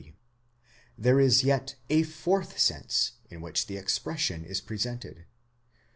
There is yet a fourth sense in which the expression is presented.